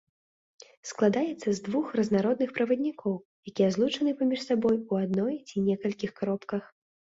Складаецца з двух разнародных праваднікоў, якія злучаны паміж сабой у адной ці некалькіх кропках.